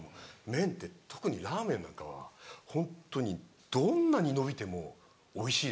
麺って特にラーメンなんかはホントにどんなにのびてもおいしいですし。